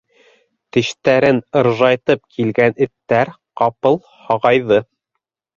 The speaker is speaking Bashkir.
Тештәрен ыржайтып килгән эттәр ҡапыл һағайҙы.